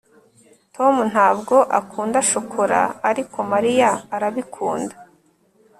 tom ntabwo akunda shokora, ariko mariya arabikunda